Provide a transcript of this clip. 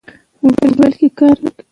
افغانستان د جواهراتو له پلوه متنوع دی.